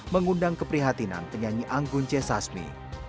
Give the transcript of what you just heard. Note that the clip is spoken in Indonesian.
mengundang keprihatinan penyanyi anggun c sasmi